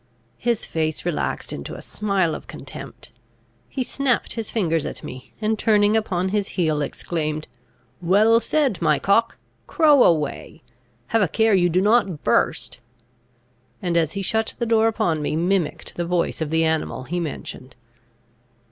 His face relaxed into a smile of contempt; he snapped his fingers at me; and, turning upon his heel, exclaimed, "Well said, my cock! crow away! Have a care you do not burst!" and, as he shut the door upon me, mimicked the voice of the animal he mentioned.